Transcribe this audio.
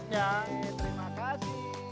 ya terima kasih